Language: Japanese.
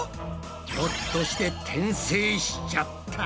ひょっとして転生しちゃった？